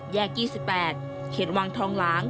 แยก๒๘เขตวังทองหลัง